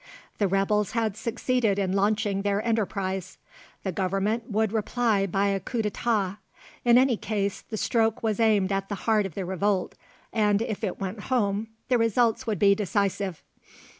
The rebels had succeeded in launching their enterprise; the Government would reply by a coup d'état. In any case the stroke was aimed at the heart of the revolt, and if it went home the results would be decisive.